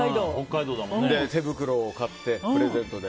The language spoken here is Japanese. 手袋を買って、プレゼントで。